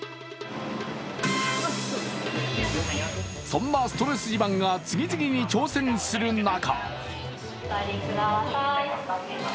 そんなストレス自慢が次々に挑戦する中